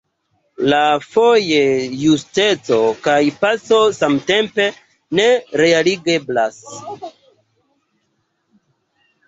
Iafoje justeco kaj paco samtempe ne realigeblas.